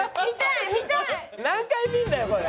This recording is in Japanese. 何回見るんだよこれ。